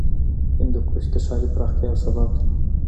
هندوکش د ښاري پراختیا یو سبب دی.